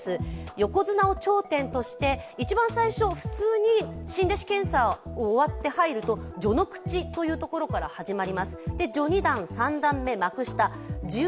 横綱を頂点として、一番最初、普通に試験を終わって入ると、序の口というところから始まります。